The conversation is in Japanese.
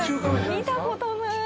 見たことない！